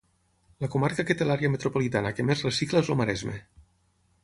La comarca que té l'àrea metropolitana que més recicla és el Maresme.